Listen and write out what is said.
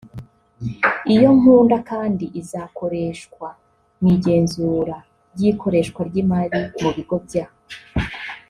Iyo nkunga kandi izakoreshwa mu igenzura ry’ikoreshwa ry’imari mu bigo bya